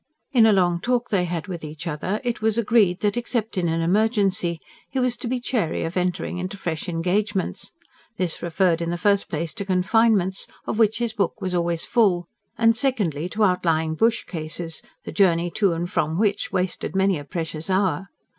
In a long talk they had with each other, it was agreed that, except in an emergency, he was to be chary of entering into fresh engagements this referred in the first place to confinements, of which his book was always full; and secondly, to outlying bush cases, the journey to and from which wasted many a precious hour.